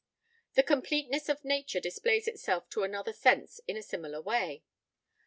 The completeness of nature displays itself to another sense in a similar way.